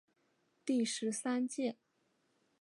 第十三届